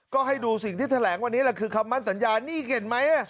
ก็ให้ดูสิ่งที่แถลงวันนี้แหละคือคำมั่นสัญญานี่เห็นไหม